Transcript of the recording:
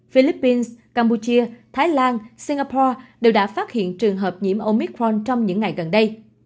philippines cambodia thái lan singapore đều đã phát hiện trường hợp nhiễm omicron trong những ngày gần đây